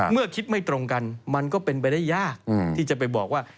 เมื่อคิดไม่ตรงกันมันก็เป็นไปได้ยากที่จะไปบอกว่า